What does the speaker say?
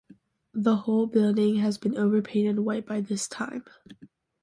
The whole building had been overpainted white by this time.